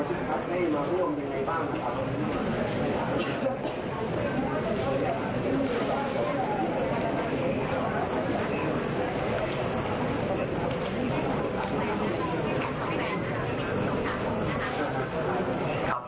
จะมีการพูดกับธรรมชีพครับได้มาร่วมยังไงบ้างนะครับ